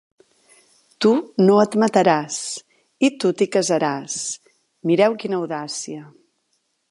Tu no et mataràs, i tu t'hi casaràs. Mireu quina audàcia!